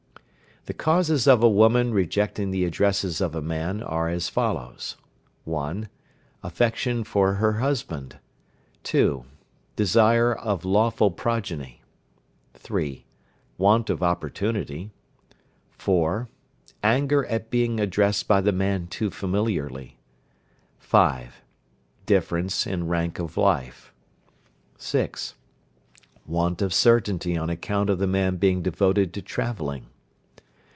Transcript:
The causes of a woman rejecting the addresses of a man are as follows: 1. Affection for her husband. 2. Desire of lawful progeny. 3. Want of opportunity. 4. Anger at being addressed by the man too familiarly. 5. Difference in rank of life. 6. Want of certainty on account of the man being devoted to travelling.